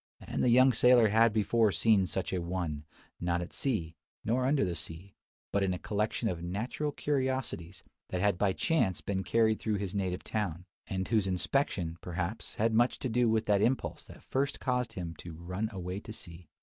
And the young sailor had before seen such a one; not at sea, nor under the sea, but in a collection of "natural curiosities," that had by chance been carried through his native town; and whose inspection, perhaps, had much to do with that impulse that first caused him to "run away to sea."